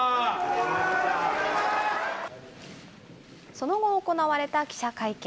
その後、行われた記者会見。